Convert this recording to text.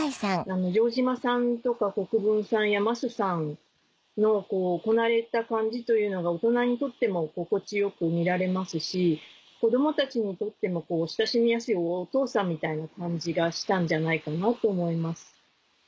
城島さんとか国分さんや桝さんのこなれた感じというのが大人にとっても心地よく見られますし子供たちにとっても親しみやすいお父さんみたいな感じがしたんじゃないかなと思います。